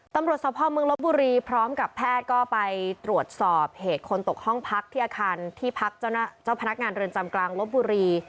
ตำรวจสภาพเมืองลบบุรีพร้อมกับแพทย์ก็ไปตรวจสอบเหตุคนตกห้องพักที่อาคารที่พักเจ้าพนักงานเรือนจำกลางลบบุรี